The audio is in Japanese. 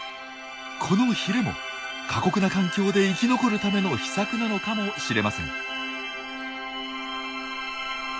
このヒレも過酷な環境で生き残るための秘策なのかもしれません。